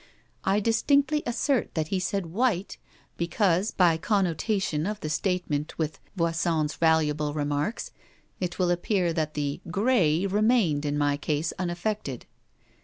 I distinctly assert that he said 'white,' because, by connotation of the statement with Voisin's valuable remarks, it will appear that the 'gray' remained in my case unaffected.